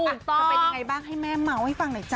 มันเป็นอย่างไรบ้างให้แม่เมาะให้ฟังหน่อยจ๊ะ